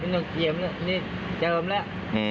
มันต้องเหยียบนี่เจิมแล้ว